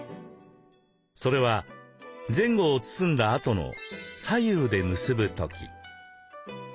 それは前後を包んだあとの左右で結ぶ時。